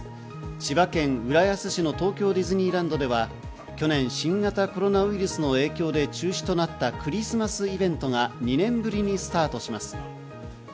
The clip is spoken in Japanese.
千葉県浦安市の東京ディズニーランドでは、去年、新型コロナウイルスの影響で中止となったクリスマスイベントが２年ぶりにスタートします。